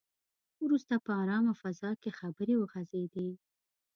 وروسته په ارامه فضا کې خبرې وغځېدې.